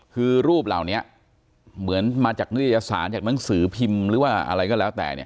คือรูปเหล่านี้เหมือนมาจากนิตยสารจากหนังสือพิมพ์หรือว่าอะไรก็แล้วแต่เนี่ย